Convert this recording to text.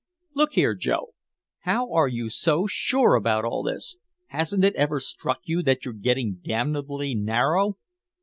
"Look here, Joe, how are you so sure about all this? Hasn't it ever struck you that you're getting damnably narrow?"